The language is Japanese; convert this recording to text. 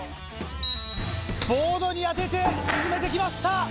ボードに当てて沈めてきました！